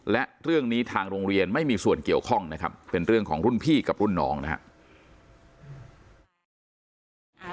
และเรื่องนี้ทางโรงเรียนไม่มีส่วนเกี่ยวข้องนะครับเป็นเรื่องของรุ่นพี่กับรุ่นน้องนะครับ